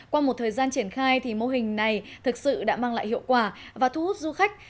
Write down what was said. qua một thời gian triển khai thì mô hình này thực sự đã mang lại hiệu quả và thu hút du khách